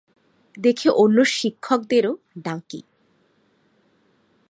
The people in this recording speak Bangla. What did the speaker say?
দেখে অন্য শিক্ষকদেরও ডাকি।